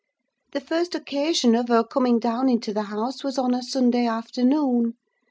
The first occasion of her coming down into the house was on a Sunday afternoon.